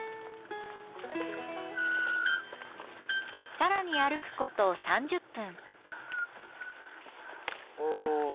更に歩くこと３０分。